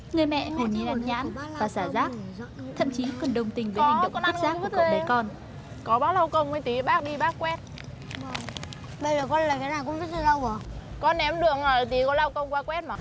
người mẹ hồn nhiên ăn nhãn và xả rác thậm chí còn đồng tình với hành động khuyết rác của cậu bé con